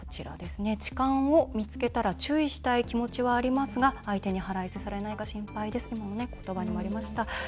痴漢を見つけたら注意したい気持ちはありますが相手に腹いせされないか心配ですといただきました。